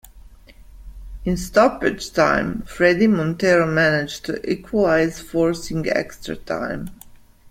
In stoppage time, Fredy Montero managed to equalize, forcing extra-time.